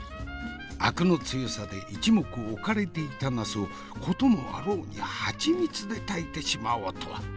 アクの強さで一目置かれていたナスをこともあろうにハチミツで炊いてしまおうとは。